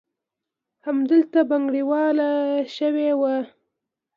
همدلته بنګړیواله شوې وه.